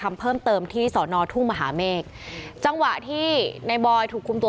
เขาเป็นคนเยี่ยมเยี่ยมไม่ค่อยคุยกับใครด้วยมั้ยครับส่วนตัว